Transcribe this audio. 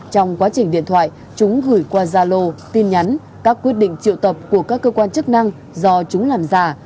trong quá trình điện thoại chúng gửi qua gia lô tin nhắn các quyết định triệu tập của các cơ quan chức năng do chúng làm giả